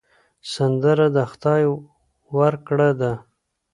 سندره د خدای ورکړه ده